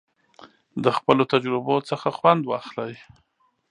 د خپلو تجربو څخه خوند واخلئ.